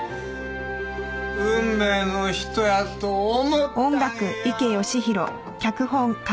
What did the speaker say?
運命の人やと思ったんや。